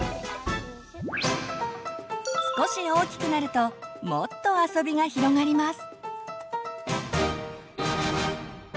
少し大きくなるともっとあそびが広がります！